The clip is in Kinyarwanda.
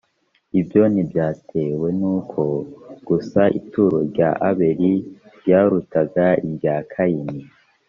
ibyo ntibyatewe n uko gusa ituro rya abeli ryarutaga irya kayini